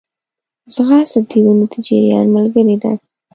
ځغاسته د وینې د جریان ملګری ده